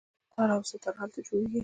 تار او سه تار هلته جوړیږي.